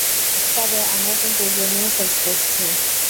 তবে আমরা কিন্তু জমিয়ে সেক্স করছি!